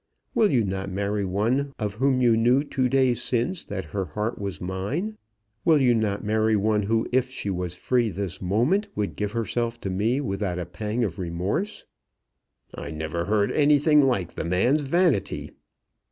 Will you not marry one of whom you knew two days since that her heart was mine? Will you not marry one who, if she was free this moment, would give herself to me without a pang of remorse?" "I never heard anything like the man's vanity!"